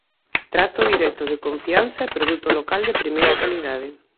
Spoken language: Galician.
Trato directo, de confianza, e produto local de primeira calidade.